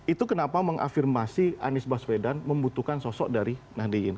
itu kenapa mengafirmasi anies baswedan membutuhkan sosok dari nahdiyin